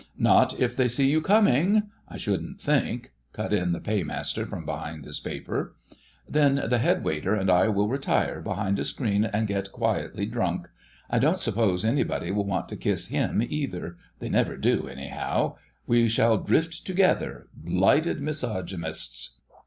"Not if they see you coming, I shouldn't think," cut in the Paymaster from behind his paper. "Then the head waiter and I will retire behind a screen and get quietly drunk—I don't suppose anybody will want to kiss him either: they never do, somehow. We shall drift together, blighted misogamists...."